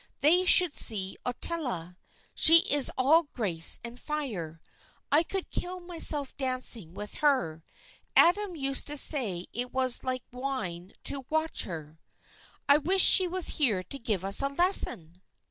They should see Ottila; she is all grace and fire. I could kill myself dancing with her. Adam used to say it was like wine to watch her." "I wish she was here to give us a lesson."